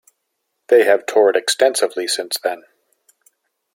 They have toured extensively since then.